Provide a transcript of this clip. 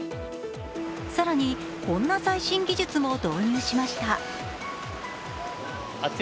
更に、こんな最新技術も導入しました。